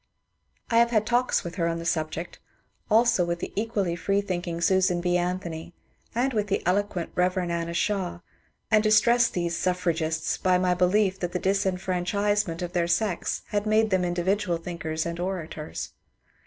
I have had talks with her on the subject, also with the equally freethinking Susan B. Anthony, and with the elo quent Bev. Anna Shaw, and distressed these ^^ suflEragists " by my belief that the disfranchisement of their sex had made them individual thinkers and orators.